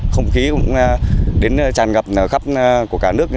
không khí cũng đến tràn ngập khắp cả nước